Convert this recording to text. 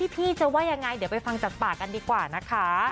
พี่จะว่ายังไงเดี๋ยวไปฟังจากปากกันดีกว่านะคะ